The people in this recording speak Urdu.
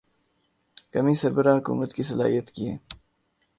کمی سربراہ حکومت کی صلاحیت کی ہے۔